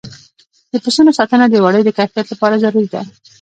د پسونو ساتنه د وړیو د کیفیت لپاره ضروري ده.